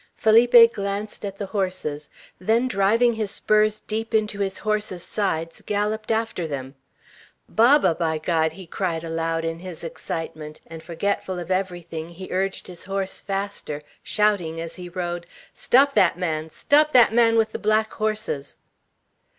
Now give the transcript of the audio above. Felipe glanced at the horses, then driving his spurs deep into his horse's sides, galloped after them. "Baba! by God!" he cried aloud in his excitement and forgetful of everything, he urged his horse faster, shouting as he rode, "Stop that man! Stop that man with the black horses!"